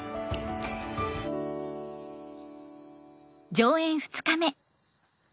上演２日目。